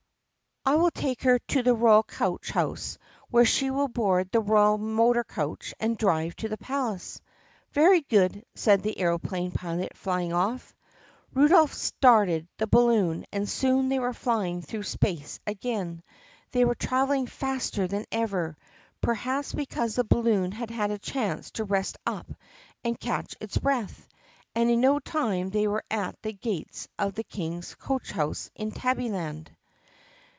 "I will take her to the royal coach house, where she will board the royal motor coach and drive to the palace." "Very good," said the aeroplane pilot flying off. Rudolph started the balloon and soon they were flying through space again. They were traveling faster than ever — perhaps because the balloon had had a chance to rest up and catch its breath — and in no time they were at the gates of the King's coach house in Tabbyland.